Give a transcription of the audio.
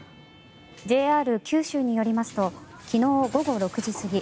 ＪＲ九州によりますと昨日午後６時過ぎ